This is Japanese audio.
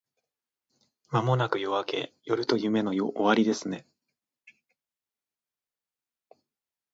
間もなく夜明け…夜と夢の終わりですね